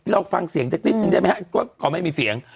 เราฟังเสียงแปลกนึกได้ไหมฮะก็ไม่มีเสียง